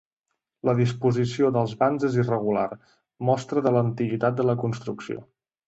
La disposició dels vans és irregular, mostra de l'antiguitat de la construcció.